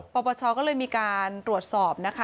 ปปชก็เลยมีการตรวจสอบนะคะ